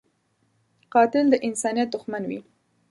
قاتل د انسانیت دښمن وي